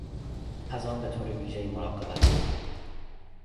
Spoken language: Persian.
از آن به طور ویژهای مراقبت کن